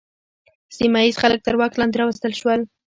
سیمه ییز خلک تر واک لاندې راوستل شول.